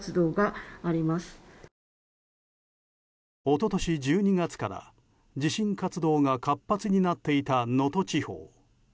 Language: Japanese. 一昨年１２月から地震活動が活発になっていた能登地方。